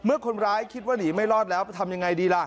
คนร้ายคิดว่าหนีไม่รอดแล้วทำยังไงดีล่ะ